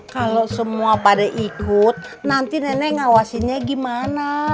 kalau semua pada ikut nanti nenek ngawasinnya gimana